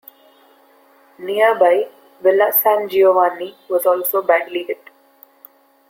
Nearby Villa San Giovanni was also badly hit.